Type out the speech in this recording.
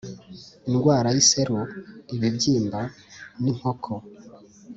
indwara y'iseru, ibibyimba, n'inkoko